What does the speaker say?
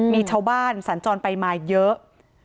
มีชาวบ้านสัญจรไปมาเยอะ